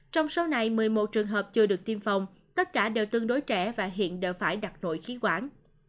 trong số này một mươi một trường hợp chưa được tiêm phòng tất cả đều tương đối trẻ và hiện đều phải đặt nội khí quản